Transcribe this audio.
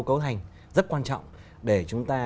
cấu thành rất quan trọng để chúng ta